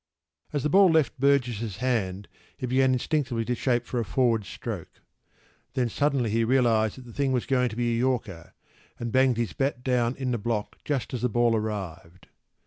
p> As the ball left Burgess’s hand he began instinctively to shape for a forward stroke.  Then suddenly he realised that the thing was going to be a yorker, and banged his bat down in the block just as the ball arrived.